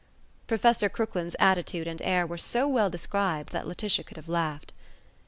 Professor Crooklyn's attitude and air were so well described that Laetitia could have laughed.